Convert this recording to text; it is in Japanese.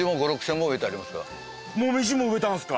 もみじも植えたんですか？